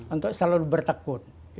untuk selalu bertekut